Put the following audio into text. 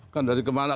kan dari kemana